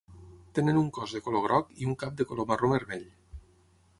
Tenen un cos de color groc i un cap de color marró vermell.